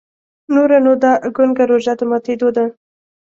نوره نو دا ګونګه روژه د ماتېدو ده.